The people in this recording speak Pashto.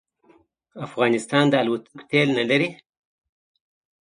افغانستان د الوتکو تېل نه لري